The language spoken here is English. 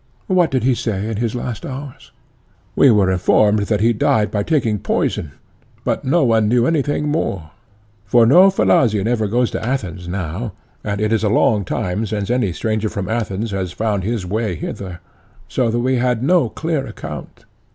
What did he say in his last hours? We were informed that he died by taking poison, but no one knew anything more; for no Phliasian ever goes to Athens now, and it is a long time since any stranger from Athens has found his way hither; so that we had no clear account.